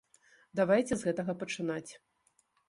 Давайце з гэтага пачынаць.